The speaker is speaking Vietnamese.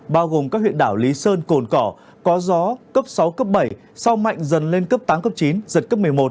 bao gồm các huyện đảo lý sơn cồn cỏ có gió cấp sáu cấp bảy sau mạnh dần lên cấp tám cấp chín giật cấp một mươi một